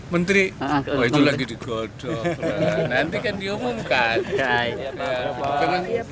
menteri oh itu lagi digodok nanti kan diumumkan